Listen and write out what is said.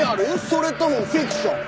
それともフィクション？」